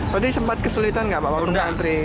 jadi sempat kesulitan nggak pak waktu menukar antri